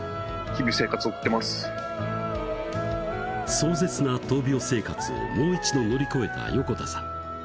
壮絶な闘病生活をもう一度乗り越えた横田さん